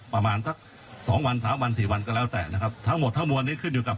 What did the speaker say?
ประมาณสักสองวันสามวันสี่วันก็แล้วแต่นะครับทั้งหมดทั้งมวลนี้ขึ้นอยู่กับ